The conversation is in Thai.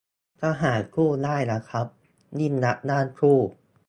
ทหารกู้ได้นะครับ ยิ่งลักษณ์ห้ามกู้